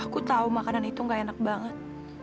aku tahu makanan itu gak enak banget